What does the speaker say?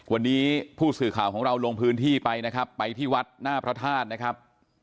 วันนี้ผู้สื่อข่าวของเราลงพื้นที่ไปนะครับไปที่วัดหน้าพระธาตุนะครับ